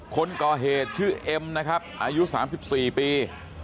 คนก่อเหตุชื่อเอ็มนะครับอายุ๓๔ปี